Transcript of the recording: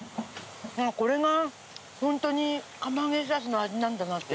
これがホントに釜揚げしらすの味なんだなって。